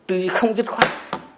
tư duy không dứt khoan